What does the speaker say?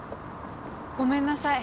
ごめんなさい。